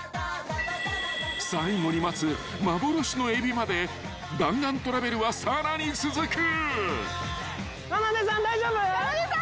［最後に待つ幻のエビまで弾丸トラベルはさらに続く］かなでさん！